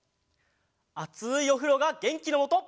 あついおふろがげんきのもと！